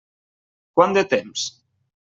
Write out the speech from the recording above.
Quant de temps?